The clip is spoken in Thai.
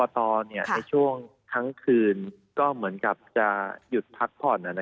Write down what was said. ในช่วงทั้งคืนก็เหมือนกับจะหยุดพักผ่อน